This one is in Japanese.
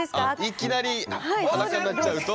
いきなり裸になっちゃうと？